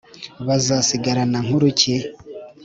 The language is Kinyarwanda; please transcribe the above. bazasigarana nkuru ki???